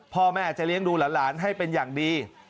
พ่อแม่จะเลี้ยงดูหลานให้เป็นอย่างดี